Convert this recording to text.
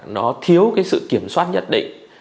nó thiếu cái sự kiểm soát nhất định